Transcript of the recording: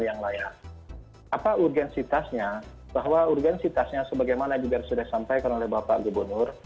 yang layak apa ugensitasnya bahwa ugensitas yang sebagaimana juga sudah sampaikan oleh bapak gubernur